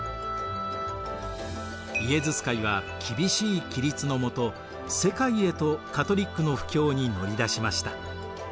イエズス会は厳しい規律のもと世界へとカトリックの布教に乗り出しました。